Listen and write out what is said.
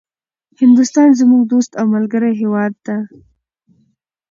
هندوستان زموږ دوست او ملګری هيواد ده